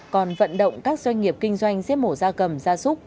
còn vận động các doanh nghiệp kinh doanh xếp mổ gia cầm gia súc